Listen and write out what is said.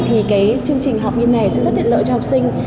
thì cái chương trình học như thế này sẽ rất là lợi cho học sinh